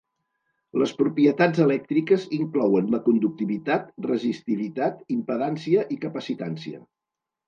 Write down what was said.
Les propietats elèctriques inclouen la conductivitat, resistivitat, impedància i capacitància.